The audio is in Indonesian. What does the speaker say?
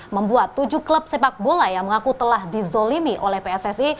membuat tujuh klub sepak bola yang mengaku telah dizolimi oleh pssi